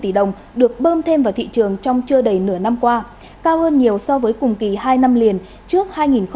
bốn trăm bốn mươi sáu tỷ đồng được bơm thêm vào thị trường trong chưa đầy nửa năm qua cao hơn nhiều so với cùng kỳ hai năm liền trước hai nghìn hai mươi hai nghìn hai mươi một